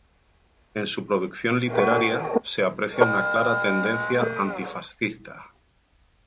En su producción literaria se aprecia una clara tendencia antifascista.